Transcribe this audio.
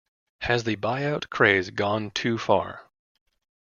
Has the buyout craze gone too far?